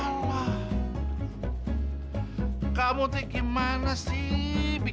bukan boleh marah marah tuh abah